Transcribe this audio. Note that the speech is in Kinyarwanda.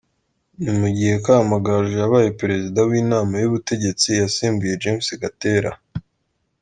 Ni mu gihe Kamagaju yabaye Perezida w’Inama y’Ubutegetsi yasimbuye James Gatera.